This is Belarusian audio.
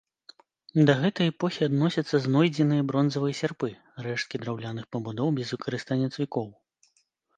Да гэтай эпохі адносяцца знойдзеныя бронзавыя сярпы, рэшткі драўляных пабудоў без выкарыстання цвікоў.